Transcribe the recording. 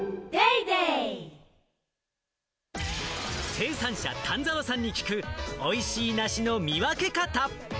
生産者・丹澤さんに聞く、おいしい梨の見分け方。